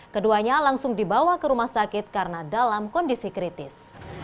keduanya langsung dibawa ke rumah sakit karena dalam kondisi kritis